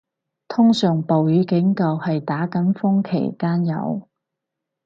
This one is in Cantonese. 通常暴雨警告係打緊風期間有